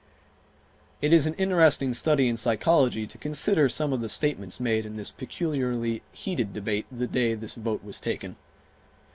It is an interesting study in psychology to consider some of the statements made in the peculiarly heated debate the day this vote was taken.